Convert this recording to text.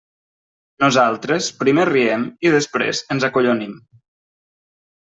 Nosaltres, primer riem i després ens acollonim.